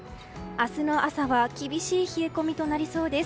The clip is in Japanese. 明日の朝は厳しい冷え込みとなりそうです。